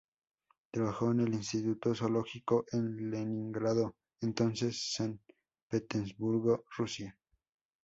Trabajó en el Instituto Zoológico en Leningrado, entonces San Petersburgo, Rusia.